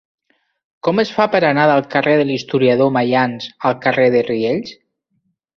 Com es fa per anar del carrer de l'Historiador Maians al carrer de Riells?